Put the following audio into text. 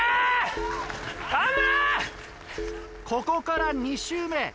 ここから２周目。